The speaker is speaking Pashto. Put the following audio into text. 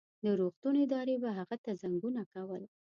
د روغتون ادارې به هغه ته زنګونه کول.